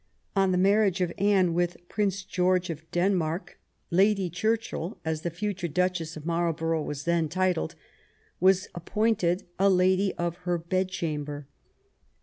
On the marriage of Anne with Prince Gteorge of Den 53 THE REIGN OF QUEEN ANNE mark, Lady Churchill, as the future Duchess of Marl borough was then titled, was appointed a lady of her bedchamber.